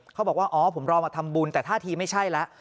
เขาบอกว่าอ๋อผมรอมาทำบุญแต่ท่าทีไม่ใช่แล้ว